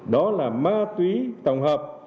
đó là ma túy tổng hợp